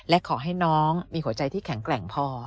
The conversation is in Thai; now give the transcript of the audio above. และขอให้น้องมีหัวใจที่แข็งแกร่งพอ